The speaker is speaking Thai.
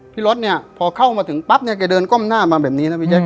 รถเนี่ยพอเข้ามาถึงปั๊บเนี่ยแกเดินก้มหน้ามาแบบนี้นะพี่แจ๊